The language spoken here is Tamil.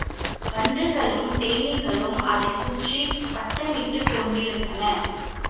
வண்டுகளும் தேனீக்களும் அதைச் சுற்றி வட்டமிட்டுக் கொண்டிருந்தன.